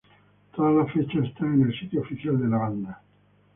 Todas las fechas están en el sitio oficial de la banda.